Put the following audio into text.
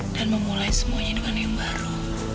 dan memulai semuanya dengan yang baru